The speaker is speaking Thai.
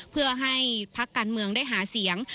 เพื่อให้พักการเมืองได้หาเสียง